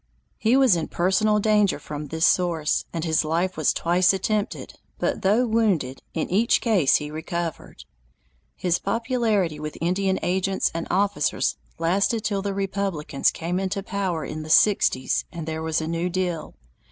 He was in personal danger from this source, and his life was twice attempted, but, though wounded, in each case he recovered. His popularity with Indian agents and officers lasted till the Republicans came into power in the sixties and there was a new deal.